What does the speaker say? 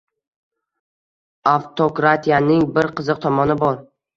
Avtokratiyaning bir qiziq tomoni bor.